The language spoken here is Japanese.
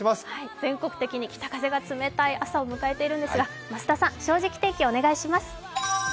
全国的に北風が冷たい朝を迎えているんですが増田さん、「正直天気」をお願いします。